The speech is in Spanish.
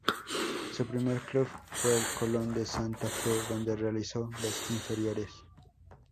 Su primer club fue el Colón de Santa Fe, donde realizó las inferiores.